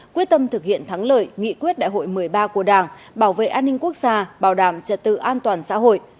quyết tâm thực hiện thắng lợi nghị quyết đại hội một mươi ba của đảng bảo vệ an ninh quốc gia bảo đảm trật tự an toàn xã hội